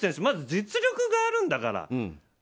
まず実力があるんだから。